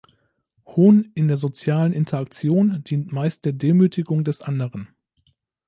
Hohn in der sozialen Interaktion dient meist der Demütigung des anderen.